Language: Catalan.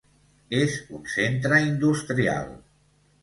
És un centre industrial.